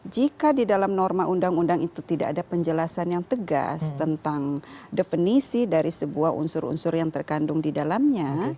jika di dalam norma undang undang itu tidak ada penjelasan yang tegas tentang definisi dari sebuah unsur unsur yang terkandung di dalamnya